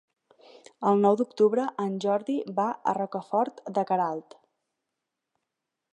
El nou d'octubre en Jordi va a Rocafort de Queralt.